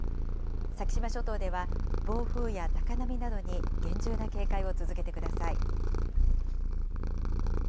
先島諸島では暴風や高波などに厳重な警戒を続けてください。